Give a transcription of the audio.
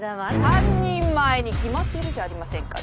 半人前に決まっているじゃありませんか。